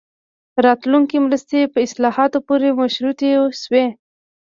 راتلونکې مرستې په اصلاحاتو پورې مشروطې شوې.